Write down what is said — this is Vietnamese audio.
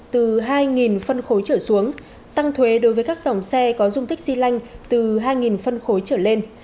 từ hai phân khối trở xuống tăng thuế đối với các dòng xe có dung tích xy lanh từ hai phân khối trở lên